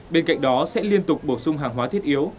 bên cạnh đó sẽ liên tục bổ sung hàng hóa thiết yếu